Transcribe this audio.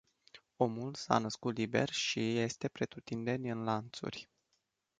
Omul s-a născut liber și este pretutindeni în lanțuri.